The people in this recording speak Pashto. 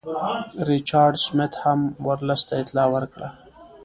ریچارډ سمیت هم ورلسټ ته اطلاع ورکړه.